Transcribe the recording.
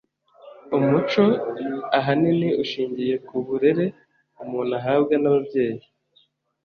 Umuco ahanini ushingiye kuburere umuntu ahabwa nababyeyi